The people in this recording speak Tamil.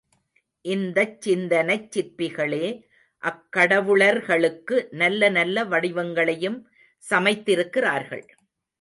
இந்தச் சிந்தனைச் சிற்பிகளே அக்கடவுளர்களுக்கு நல்ல நல்ல வடிவங்களையும் சமைத்திருக்கிறார்கள்.